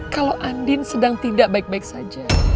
kalau andin sedang tidak baik baik saja